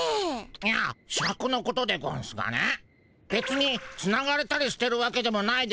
いやシャクのことでゴンスがねべつにつながれたりしてるわけでもないでゴンスし